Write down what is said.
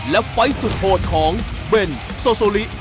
และไฟล์สุดโหดของเบนโซลิ